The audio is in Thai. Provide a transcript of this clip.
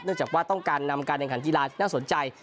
เนื่องจากว่าต้องการนำการแข่งขันทีลานน่าสนใจ